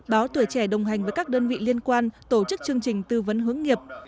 báo tuổi trẻ đồng hành với các đơn vị liên quan tổ chức chương trình tư vấn hướng nghiệp